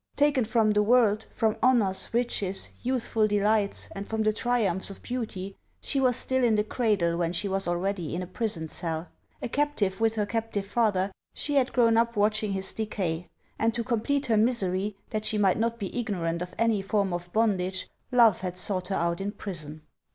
Taken from the world, from honors, riches, youthful delights, and from the triumphs of beauty, she was still in the cradle when she was already in a prison cell ; a captive with her captive father, she had grown up watching his decay ; and to complete her misery, that she might not be ignorant of any form of bondage, love had sought her out in prison.